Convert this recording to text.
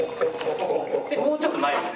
もうちょっと前ですね。